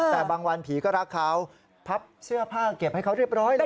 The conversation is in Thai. แต่บางวันผีก็รักเขาพับเสื้อผ้าเก็บให้เขาเรียบร้อยแล้ว